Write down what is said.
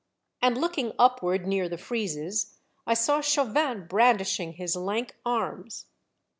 And looking upward near the friezes, I saw Chauvin brandishing his lank arms.